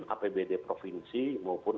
apbd provinsi maupun